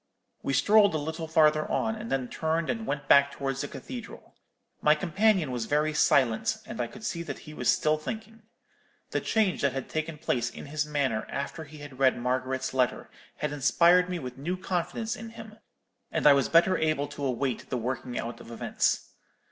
We strolled a little farther on, and then turned and went back towards the cathedral. My companion was very silent, and I could see that he was still thinking. The change that had taken place in his manner after he had read Margaret's letter had inspired me with new confidence in him, and I was better able to await the working out of events.